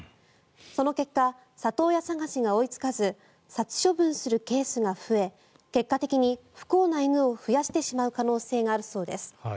その結果、里親探しが追いつかず殺処分するケースが増え結果的に不幸な犬を増やしてしまう可能性があるそうです。